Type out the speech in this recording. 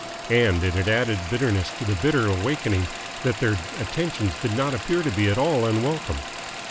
And it had added bitterness to the bitter awakening that their attentions did not appear to be at all unwelcome.